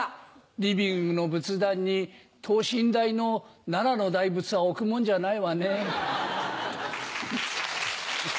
リビングの仏壇に、等身大の奈良の大仏さんを置くもんじゃないわね。